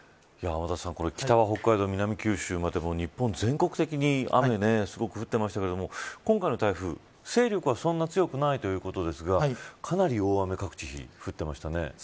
天達さん北は北海道、南は九州まで日本全国的に雨すごく降っていましたけど今回の台風勢力は、そんなに強くないということですがかなり各地で大雨が降ってましたね。